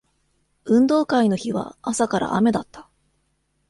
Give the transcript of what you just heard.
運動会の日は朝から雨だった